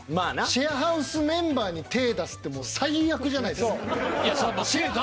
シェアハウスメンバーに手出すってもう最悪じゃないですか。